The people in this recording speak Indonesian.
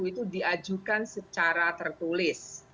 itu diajukan secara tertulis